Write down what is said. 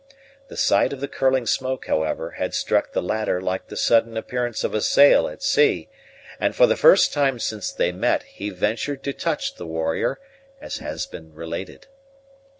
The sight of the curling smoke, however, had struck the latter like the sudden appearance of a sail at sea; and, for the first time since they met, he ventured to touch the warrior, as has been related.